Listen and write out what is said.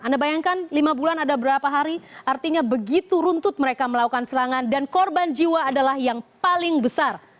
anda bayangkan lima bulan ada berapa hari artinya begitu runtut mereka melakukan serangan dan korban jiwa adalah yang paling besar